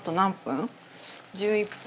１１分？